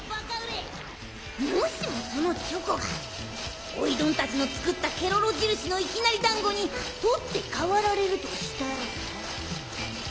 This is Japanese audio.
もしもそのチョコがおいどんたちの作ったケロロじるしのいきなりだんごに取って代わられるとしたら。